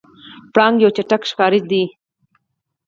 پړانګ یو چټک ښکارچی دی.